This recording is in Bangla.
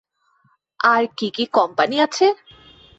আর কী কী কোম্পানি আছে?